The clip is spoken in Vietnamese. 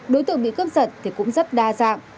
đối tượng bị cướp giật cũng rất đa dạng